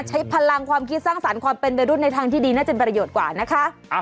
ใช้พลังความคิดสร้างสรรค์ความเป็นไปรุ่นในทางที่ดีน่าจะเป็นประโยชน์กว่านะคะ